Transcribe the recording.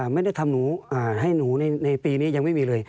ไม่ได้ทำหนูให้หนูในปีนี้ยังไม่มีเลย